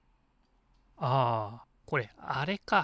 あこれあれか。